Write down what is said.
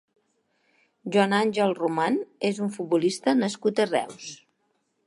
Joan Àngel Román és un futbolista nascut a Reus.